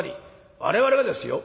我々がですよ